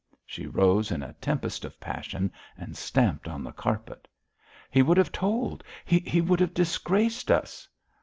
She rose in a tempest of passion and stamped on the carpet. 'He would have told; he would have disgraced us.'